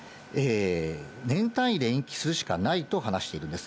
年単位で延期するしかないと話しているんです。